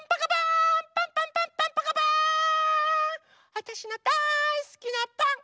わたしのだいすきなパン！